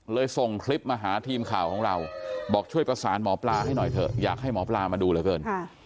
ส่งคลิปมาหาทีมข่าวของเราบอกช่วยประสานหมอปลาให้หน่อยเถอะอยากให้หมอปลามาดูเหลือเกิน